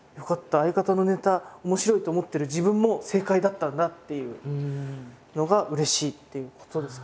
相方のネタ面白いと思ってる自分も正解だったんだっていうのがうれしいっていうことですかね。